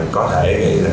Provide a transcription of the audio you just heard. có thể bị suy ghen